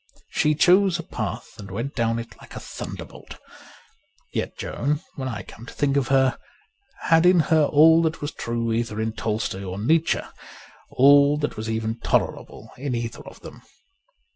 She chose a path and went down it like a thunderbolt. Yet Joan, when I come to think of her, had in her all that was true either in Tolstoy or Nietzsche — all that was even tolerable in either of them.